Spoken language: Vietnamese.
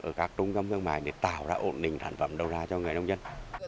ở các trung tâm thương mại để tạo ra ổn định sản phẩm đầu ra cho người nông dân